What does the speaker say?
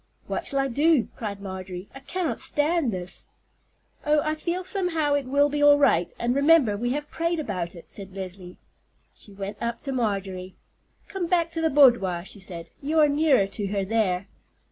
"What shall I do?" cried Marjorie. "I cannot stand this." "Oh, I feel somehow it will be all right; and remember we have prayed about it," said Leslie. She went up to Marjorie. "Come back to the boudoir," she said. "You are nearer to her there."